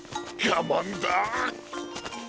がまんだ。